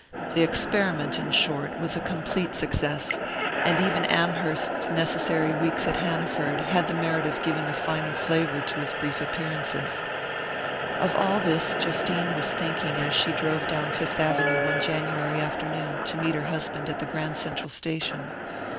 The experiment, in short, was a complete success; and even Amherst's necessary weeks at Hanaford had the merit of giving a finer flavour to his brief appearances. Of all this Justine was thinking as she drove down Fifth Avenue one January afternoon to meet her husband at the Grand Central station.